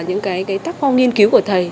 những cái tác phong nghiên cứu của thầy